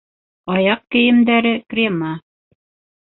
Аяҡ кейемдәре кремы